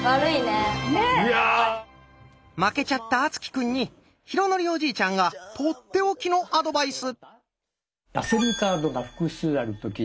負けちゃった敦貴くんに浩徳おじいちゃんが取って置きのアドバイス！